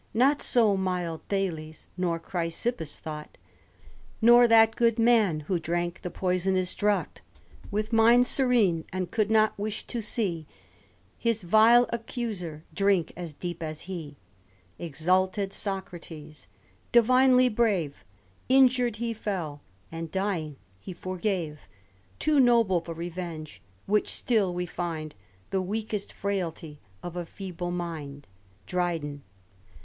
Not so mild Thales nor Chrysippus thought, Nor that good man who drank the pois'nous draught With mind serene, and could not wish to see Hb vile accuser drink as deep as he ; Exalted Socrates ! divinely brave 1 Injur'd he fell, and dying he forgave, Too noble for revenge ; which still we find The weakest frailty of a feeble mind." Dryden.